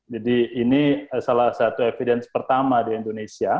jadi ini salah satu evidence pertama di indonesia